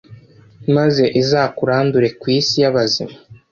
maze izakurandure ku isi y'abazima